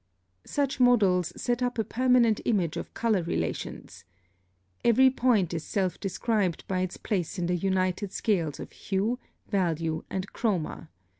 [Footnote 12: See Plate I.] (35) Such models set up a permanent image of color relations. Every point is self described by its place in the united scales of hue, value, and chroma.